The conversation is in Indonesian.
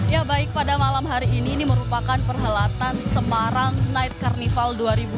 ya baik pada malam hari ini ini merupakan perhelatan semarang night carnival dua ribu dua puluh